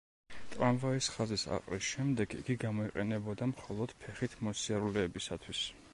ტრამვაის ხაზის აყრის შემდეგ იგი გამოიყენებოდა მხოლოდ ფეხით მოსიარულეებისათვის.